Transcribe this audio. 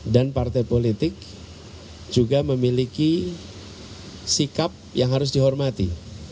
dan partai politik juga memiliki sikap yang harus dihormati